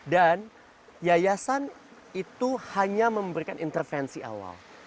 dan yayasan itu hanya memberikan intervensi awal